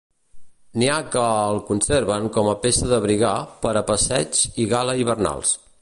N'hi ha que el conserven com a peça d'abrigar per a passeig i gala hivernals.